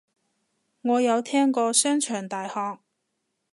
我有聽過商場大學